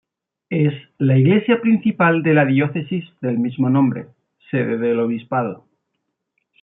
Es la Iglesia principal de la Diócesis del mismo nombre, sede del Obispado.